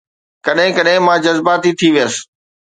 ڪڏهن ڪڏهن مان جذباتي ٿي ويس